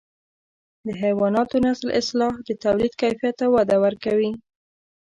د حیواناتو نسل اصلاح د توليد کیفیت ته وده ورکوي.